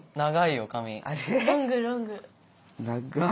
ロングロング。